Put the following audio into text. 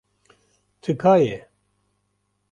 Tika ye.